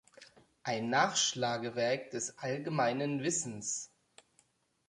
Ein Nachschlagewerk des allgemeinen Wissens.